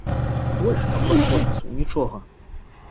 І больш, апроч подпісу, нічога.